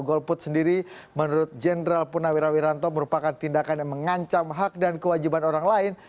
golput sendiri menurut jenderal punawira wiranto merupakan tindakan yang mengancam hak dan kewajiban orang lain